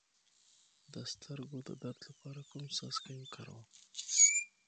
د سترګو د درد لپاره کوم څاڅکي وکاروم؟